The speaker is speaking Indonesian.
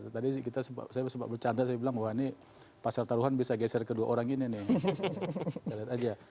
tadi kita sebab bercanda saya bilang wah ini pasal taruhan bisa geser ke dua orang ini nih